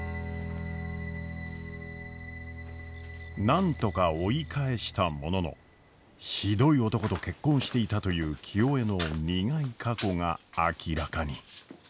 なんとか追い返したもののひどい男と結婚していたという清恵の苦い過去が明らかに。